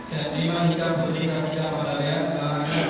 saya terima nikahku di harga pada daya kemarin